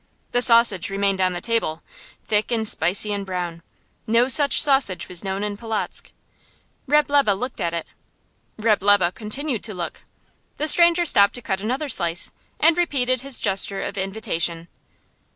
The sausage remained on the table, thick and spicy and brown. No such sausage was known in Polotzk. Reb' Lebe looked at it. Reb' Lebe continued to look. The stranger stopped to cut another slice, and repeated his gesture of invitation.